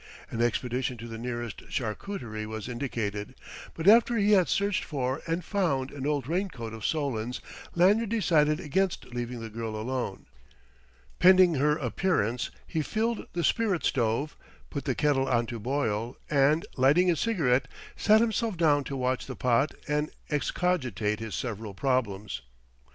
An expedition to the nearest charcuterie was indicated; but after he had searched for and found an old raincoat of Solon's, Lanyard decided against leaving the girl alone. Pending her appearance, he filled the spirit stove, put the kettle on to boil, and lighting a cigarette, sat himself down to watch the pot and excogitate his several problems.